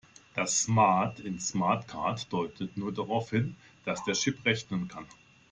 Das "smart" in SmartCard deutet nur darauf hin, dass der Chip rechnen kann.